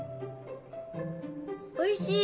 おいしい！